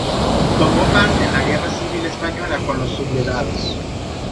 Tomó parte en la guerra civil española con los sublevados.